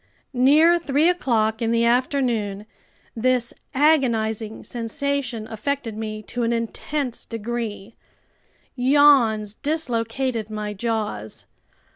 Near three o'clock in the afternoon, this agonizing sensation affected me to an intense degree. Yawns dislocated my jaws.